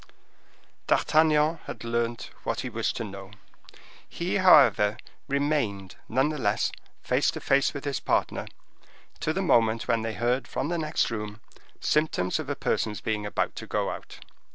D'Artagnan had learnt what he wished to know. He, however, remained, none the less, face to face with his partner, to the moment when they heard from the next room symptoms of a person's being about to go out.